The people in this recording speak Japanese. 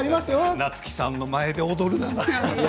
夏木さんの前で踊るなんて。